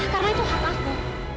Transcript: karena itu hak aku